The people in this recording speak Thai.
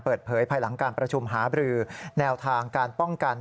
เปิดเผยภายหลังการประชุมหาบรือแนวทางการป้องกัน